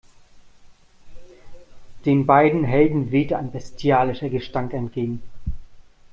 Den beiden Helden wehte ein bestialischer Gestank entgegen.